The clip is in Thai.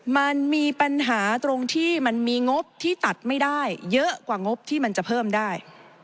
มันมีปัญหาตรงที่มันมีงบที่ตัดไม่ได้เยอะกว่างบที่มันจะเพิ่มได้